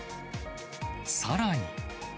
さらに。